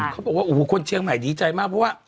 เขาบอกว่าโอ้โหคนเชียงใหม่ดีใจมากเพราะว่า